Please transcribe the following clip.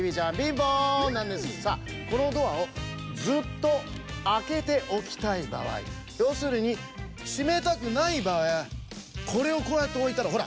さあこのドアをずっとあけておきたいばあいようするにしめたくないばあいはこれをこうやっておいたらほら。